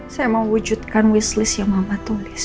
saya mau wujudkan wishlist yang mama tulis